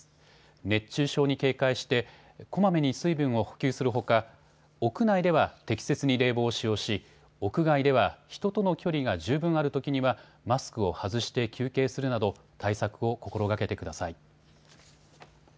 熱中症に警戒してこまめに水分を補給するほか屋内では適切に冷房を使用し、屋外では人との距離が十分あるときにはマスクを外して休憩するなど対策を心がけてください。